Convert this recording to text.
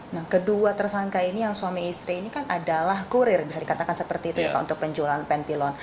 nah kedua tersangka ini yang suami istri ini kan adalah kurir bisa dikatakan seperti itu ya pak untuk penjualan pentilon